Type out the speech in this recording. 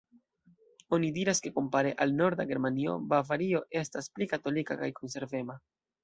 Oni diras, ke kompare al norda Germanio, Bavario estas pli katolika kaj konservema.